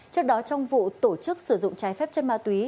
trước đó trong vụ tổ chức sử dụng trái phép chất ma túy